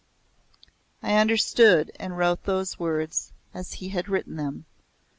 I understood, and wrote those words as he had written them.